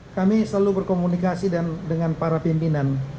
kami selalu berkomunikasi dengan para pimpinan